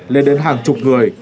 lên đến hàng chục người